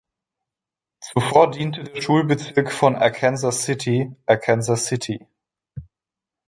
Zuvor diente der Schulbezirk von Arkansas City Arkansas City.